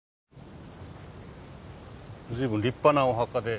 随分立派なお墓で。